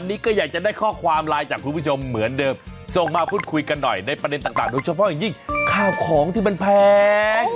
ในประเด็นต่างโดยเฉพาะอย่างยิ่งค่าของที่มันแพง